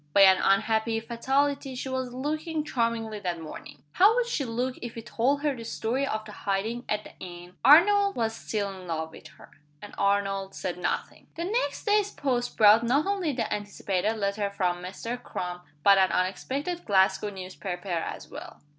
By an unhappy fatality she was looking charmingly that morning. How would she look if he told her the story of the hiding at the inn? Arnold was still in love with her and Arnold said nothing. The next day's post brought not only the anticipated letter from Mr. Crum, but an unexpected Glasgow newspaper as well.